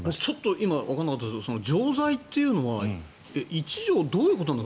僕、今わからなかったんですが錠剤というのは１錠どういうことなの？